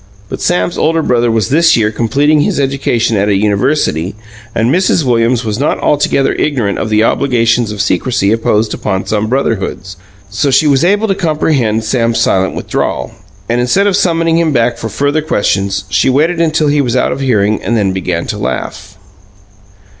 But Sam's older brother was this year completing his education at a university, and Mrs. Williams was not altogether ignorant of the obligations of secrecy imposed upon some brotherhoods; so she was able to comprehend Sam's silent withdrawal, and, instead of summoning him back for further questions, she waited until he was out of hearing and then began to laugh.